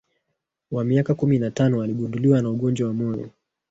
Wa miaka kumi na tano aligunduliwa ana ugonjwa wa moyo